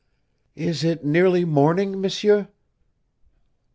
"Is it nearly morning, M'sieur?"